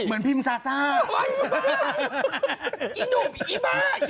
เหมือนพิมพ์ซาซ่าโอ้ยอีบ้า